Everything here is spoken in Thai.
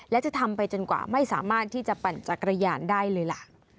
และจะทำไปจนกว่าไม่สามารถที่จะปั่นจักรยานได้เลยล่ะ